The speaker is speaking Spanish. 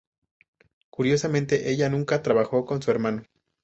Curiosamente, ella nunca trabajó con su hermano.